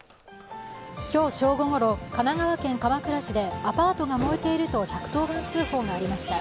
今日正午ごろ、神奈川県鎌倉市でアパートが燃えていると１１０番通報がありました。